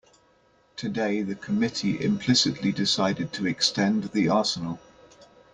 Today the committee implicitly decided to extend the arsenal.